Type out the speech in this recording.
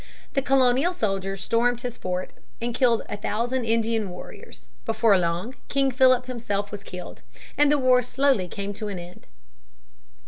The colonial soldiers stormed his fort and killed a thousand Indian warriors. Before long King Philip himself was killed, and the war slowly came to an end.